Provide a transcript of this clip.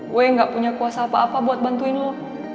gue gak punya kuasa apa apa buat bantuin lo